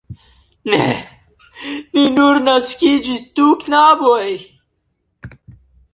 Ne! Ni nur naskiĝis du knaboj!